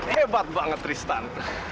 hebat banget tristan